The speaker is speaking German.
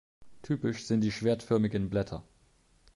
Typisch sind die schwertförmigen Blätter.